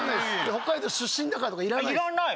北海道出身だからとかいらないいらない？